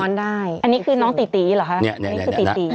ย้อนได้อันนี้คือน้องตีตีหรอฮะ